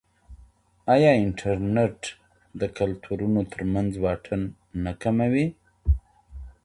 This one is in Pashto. آیا انټرنیټ د کلتورونو ترمنځ واټن نه کموي؟